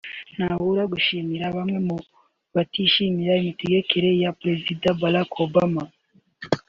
ntabura gushimisha bamwe mu batishimira imitegekere ya Perezida Barack Obama